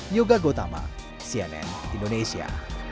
yoga gotama cnn indonesia